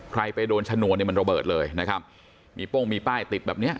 ไปโดนชนวนเนี่ยมันระเบิดเลยนะครับมีโป้งมีป้ายติดแบบเนี้ย